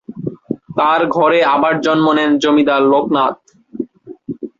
তার ঘরে আবার জন্ম নেন জমিদার লোকনাথ।